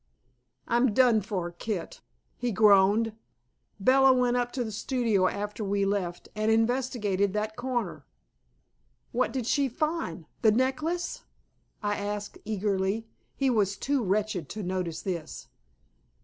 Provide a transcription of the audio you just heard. "I'm done for, Kit," he groaned. "Bella went up to the studio after we left, and investigated that corner." "What did she find? The necklace?" I asked eagerly. He was too wretched to notice this.